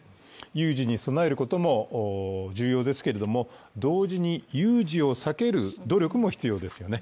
有事に備えることも重要ですけれども、同時に有事を避ける努力も必要ですよね。